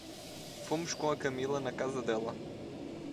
Fomos com a Camila na casa dela.